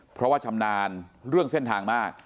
เพราะว่าชำนาญเรื่องเส้นทางมาก